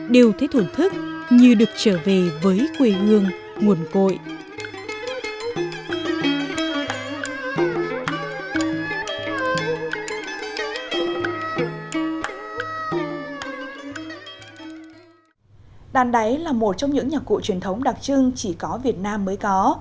đàn đáy là một trong những nhạc cụ truyền thống đặc trưng chỉ có việt nam mới có